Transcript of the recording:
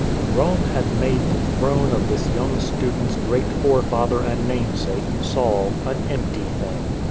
Rome had made the throne of this young student's great forefather and namesake, Saul, an empty thing.